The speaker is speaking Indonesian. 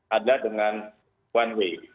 ada dengan one way